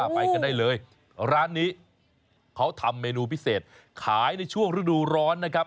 ไปกันได้เลยร้านนี้เขาทำเมนูพิเศษขายในช่วงฤดูร้อนนะครับ